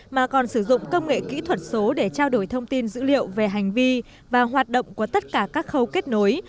mà còn sử dụng công nghệ kỹ thuật số để trao đổi thông tin dữ liệu về hành vi và hoạt động của tất cả các khâu kết nối